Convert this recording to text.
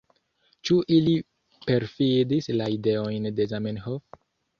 Ĉu ili perfidis la ideojn de Zamenhof?